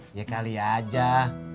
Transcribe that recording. ntar kumpul emak dateng